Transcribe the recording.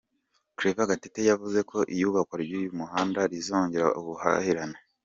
Claver Gatete yavuze ko iyubakwa ry’uyu muhanda rizongera ubuhahirane.